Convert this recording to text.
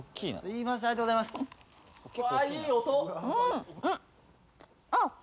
いい音！